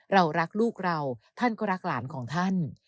เรารักลูกเราท่านก็รักหลานของท่าน